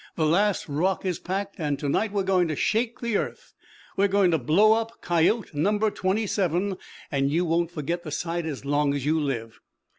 "The last rock is packed, and to night we're going to shake the earth. We're going to blow up Coyote Number Twenty seven, and you won't forget the sight as long as you live!"